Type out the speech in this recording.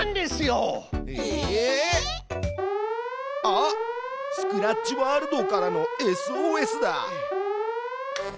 あっスクラッチワールドからのＳＯＳだ！